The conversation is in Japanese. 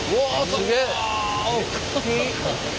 すげえ！